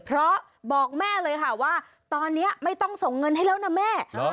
เพราะบอกแม่เลยค่ะว่าตอนนี้ไม่ต้องส่งเงินให้แล้วนะแม่